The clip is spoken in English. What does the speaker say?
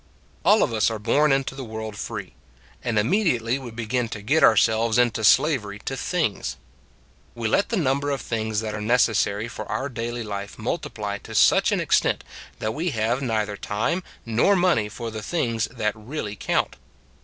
All of us are born into the world free : and immediately we begin to get ourselves into slavery to things. We let the number of things that are necessary for our daily life multiply to such an extent that we have neither time nor money for the things that really count.